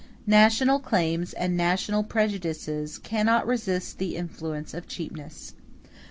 National claims and national prejudices cannot resist the influence of cheapness.